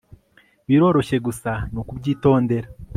biroroshye gusa nukubyitondera